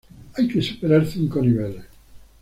Hay que superar cinco niveles.